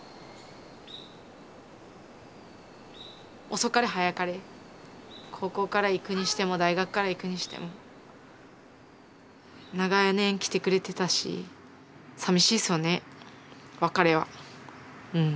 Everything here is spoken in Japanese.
遅かれ早かれ高校から行くにしても大学から行くにしても長年来てくれてたしうんうん。